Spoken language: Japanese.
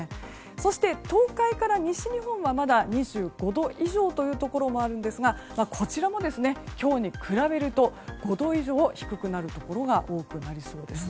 そして、東海から西日本はまだ２５度以上というところもありますがこちらも、今日に比べると５度以上低くなるところが多くなりそうです。